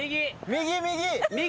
右右！